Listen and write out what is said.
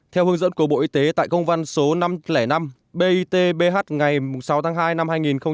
theo hướng dẫn của bộ y tế tại công văn số năm trăm linh năm bit bh ngày sáu tháng hai năm hai nghìn hai mươi